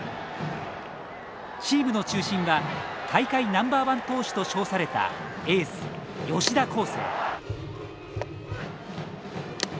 チームの中心は大会ナンバーワン投手と称されたエース吉田輝星。